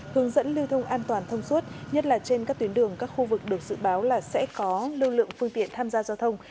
hướng dẫn lưu thông an toàn thông suốt nhất là trên các tuyến đường các khu vực được dự báo là sẽ có lưu lượng phương tiện tham gia giao thông